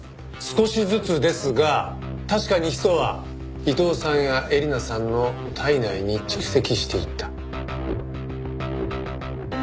少しずつですが確かにヒ素は伊藤さんやえりなさんの体内に蓄積していった。